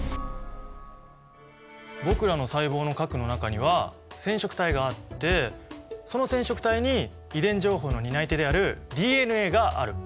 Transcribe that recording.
僕らの細胞の核の中には染色体があってその染色体に遺伝情報の担い手であるＤＮＡがある。